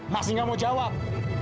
masih nggak mau jawab